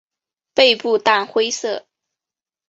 背部淡灰色。